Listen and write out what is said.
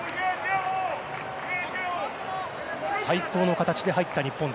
最高の形で入った日本。